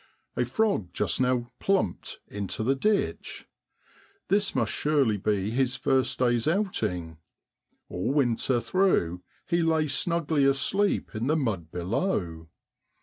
A frog just now ' plumped' into the ditch: this must surely be his first day's outing ; all winter through he lay snugly asleep in the mud below.